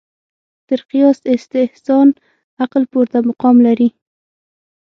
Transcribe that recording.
تر قیاس استحسان عقل پورته مقام ترلاسه کړ